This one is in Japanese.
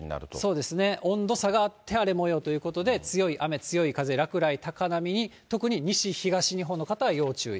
そうですね、温度差があって荒れもようということで、強い雨、強い風、落雷、高波に、特に西、東日本の方は要注意。